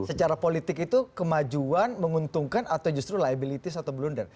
secara politik itu kemajuan menguntungkan atau justru liabilities atau blunder